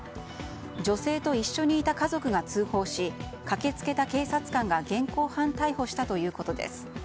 女性と一緒にいた家族が通報し駆け付けた警察官が現行犯逮捕したということです。